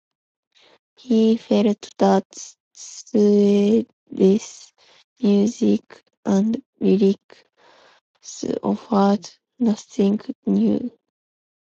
He felt that Suede's music and lyrics offered nothing new.